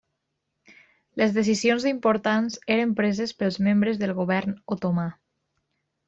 Les decisions importants eren preses pels membres del govern otomà.